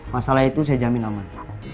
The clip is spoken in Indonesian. masalah itu saya jamin aman